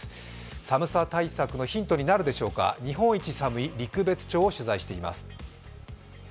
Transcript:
寒さ対策のヒントになるでしょうか、日本一寒い陸別町を取材しています。